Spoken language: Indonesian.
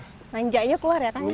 lanjanya keluar ya